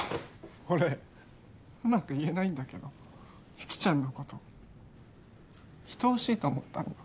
俺うまく言えないんだけど雪ちゃんのこと愛おしいと思ったんだ。